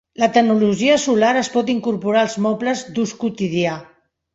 La tecnologia solar es pot incorporar als mobles d'ús quotidià.